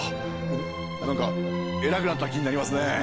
なんかえらくなった気になりますね。